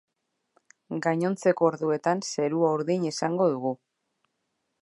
Gainontzeko orduetan zerua urdin izango dugu.